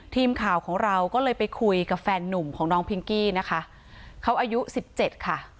ทีมข่าวของเราก็เลยไปคุยกับแฟนนุ่มของน้องพิงกี้นะคะเขาอายุสิบเจ็ดค่ะ